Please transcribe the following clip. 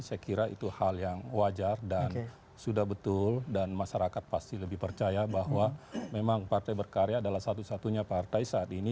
saya kira itu hal yang wajar dan sudah betul dan masyarakat pasti lebih percaya bahwa memang partai berkarya adalah satu satunya partai saat ini